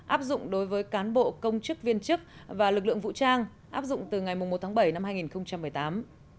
áp dụng đối với cán bộ công chức viên chức và lực lượng vũ trang áp dụng từ ngày một tháng bảy năm hai nghìn một mươi tám